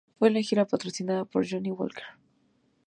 La gira fue patrocinada por Johnnie Walker.